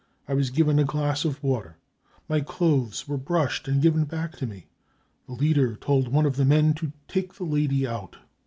I was given a glass of water. My clothes were brushed and given back to me. The leader told one of the men to c take the lady out